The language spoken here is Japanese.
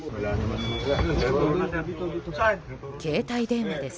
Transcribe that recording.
携帯電話です。